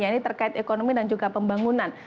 yaitu terkait ekonomi dan juga pembangunan